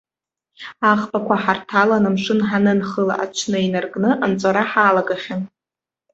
Аӷбақәа ҳарҭалан амшын ҳанынхыла аҽны инаркны анҵәара ҳалагахьан!